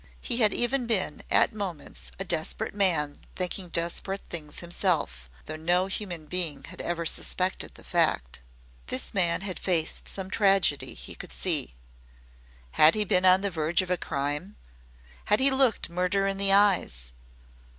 He had even been at moments a desperate man thinking desperate things himself, though no human being had ever suspected the fact. This man had faced some tragedy, he could see. Had he been on the verge of a crime had he looked murder in the eyes?